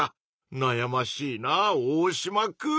なやましいなオオシマくん！